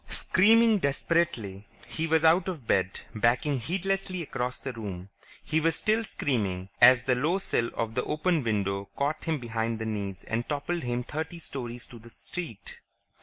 Screaming desperately, he was out of bed, backing heedlessly across the room. He was still screaming as the low sill of the open window caught him behind the knees and toppled him thirty stories to the street.